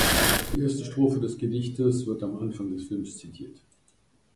Die erste Strophe des Gedichtes wird am Anfang des Films zitiert.